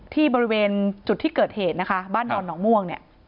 ที่บริเวณจุดที่เกิดเหตุบ้านดอนหนองม่วง